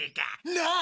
なあ？